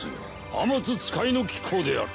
天つ使いの機構である